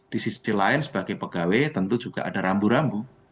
di sisi lain sebagai pegawai tentu juga ada rambu rambu